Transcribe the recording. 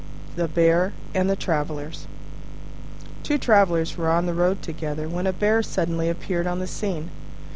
THE BEAR AND THE TRAVELLERS Two Travellers were on the road together, when a Bear suddenly appeared on the scene.